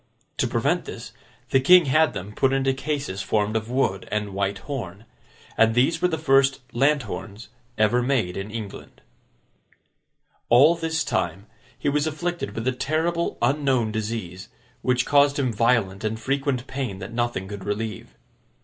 To prevent this, the King had them put into cases formed of wood and white horn. And these were the first lanthorns ever made in England. All this time, he was afflicted with a terrible unknown disease, which caused him violent and frequent pain that nothing could relieve.